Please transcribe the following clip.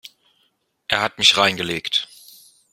Er hat mich reingelegt.